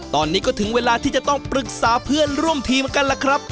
ตอนนี้ก็ถึงเวลาที่จะต้องปรึกษาเพื่อนร่วมทีมกันล่ะครับ